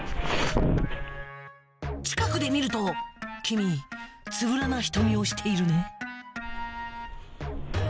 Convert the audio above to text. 近くで見ると君つぶらな瞳をしているね